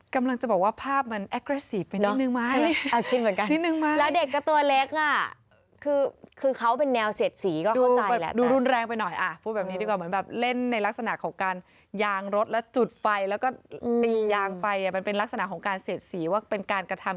กำลังจะบอกว่าพาพมันอักเกรสีฯเป็นนิดหนึ่งไหม